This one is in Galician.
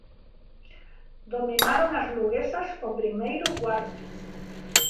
Dominaron as luguesas o primeiro cuarto.